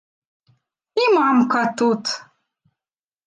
І мамка тут!